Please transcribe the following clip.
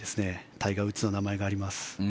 タイガー・ウッズの名前があります。